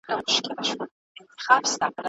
انا وویل چې ماشوم ته باید په مینه خبره وشي.